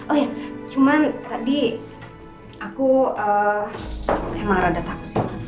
oh iya cuman tadi aku emang rada takut